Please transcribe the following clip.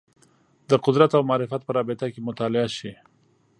د قدرت او معرفت په رابطه کې مطالعه شي